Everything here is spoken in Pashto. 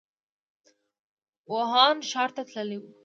ووهان ښار ته تللی و.